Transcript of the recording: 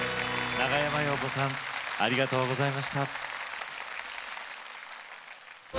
長山洋子さんありがとうございました。